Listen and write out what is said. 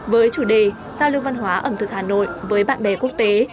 với chủ đề giao lưu văn hóa ẩm thực hà nội với bạn bè quốc tế